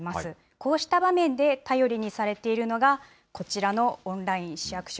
こうした場面で、頼りにされているのが、こちらのオンライン市役所。